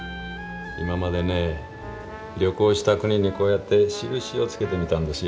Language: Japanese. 今までね旅行した国にこうやって印をつけてみたんですよ。